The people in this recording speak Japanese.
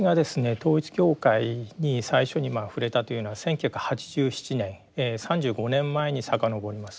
統一教会に最初に触れたというのは１９８７年３５年前に遡ります。